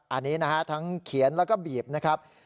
อันนี้นะฮะทั้งเขียนแล้วก็บีบนะครับ